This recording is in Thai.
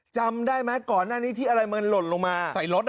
จำได้ไหมก่อนหน้านี้ที่อะไรมันหล่นลงมาใส่รถ